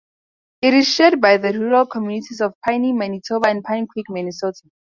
It is shared by the rural communities of Piney, Manitoba and Pinecreek, Minnesota.